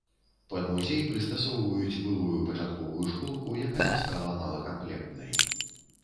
Пад музей прыстасоўваюць былую пачатковую школку, якая стала малакамплектнай.